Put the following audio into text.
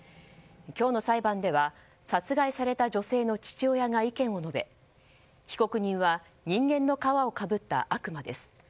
今日の裁判では殺害された女性の父親が意見を述べ、被告人は人間の皮をかぶった悪魔です。